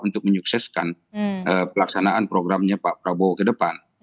untuk menyukseskan pelaksanaan programnya pak prabowo ke depan